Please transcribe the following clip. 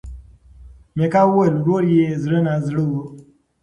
میکا وویل ورور یې زړه نا زړه و.